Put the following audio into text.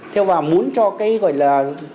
theo bà muốn cho cái gọi là